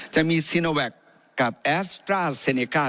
จะมีซีโนแวคกับแอสตราเซเนก้า